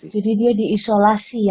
jadi dia diisolasi ya